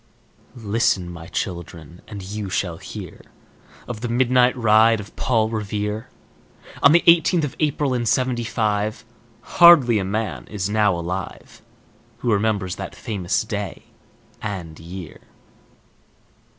Listen, my children, and you shall hear Of the midnight ride of Paul Revere, On the eighteenth of April, in Seventy five; Hardly a man is now alive Who remembers that famous day and year.